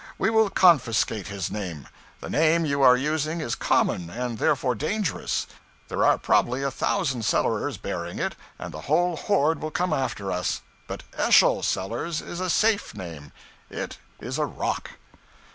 We will confiscate his name. The name you are using is common, and therefore dangerous; there are probably a thousand Sellerses bearing it, and the whole horde will come after us; but Eschol Sellers is a safe name it is a rock.'